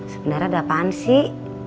sebenernya ada apaan sih